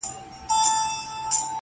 خلک زده کوي چي خبري لږې او فکر ډېر کړي،